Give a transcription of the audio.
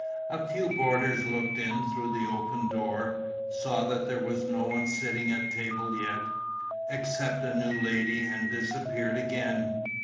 A few boarders looked in through the open door, saw that there was no one sitting at table yet, except a new lady, and disappeared again.